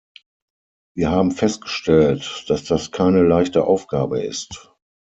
Wir haben festgestellt, dass das keine leichte Aufgabe ist.